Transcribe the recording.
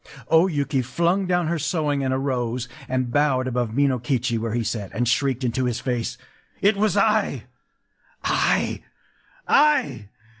”... O Yuki flung down her sewing, and arose, and bowed above Minokichi where he sat, and shrieked into his face:— “It was I—I—I!